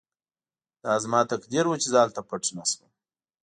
دا زما تقدیر و چې زه هلته پټ نه شوم